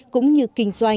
cũng như kinh doanh buôn bán